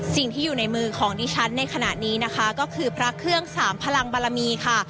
สิ่งที่อยู่ในมือของดิฉันในขณะนี้นะคะก็คือพระเครื่องสามพลังบารมีค่ะ